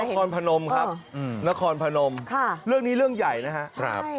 คอนพนมครับนครพนมเรื่องนี้เรื่องใหญ่นะครับ